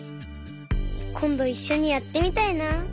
こんどいっしょにやってみたいな。